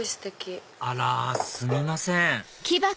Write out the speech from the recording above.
あらすみません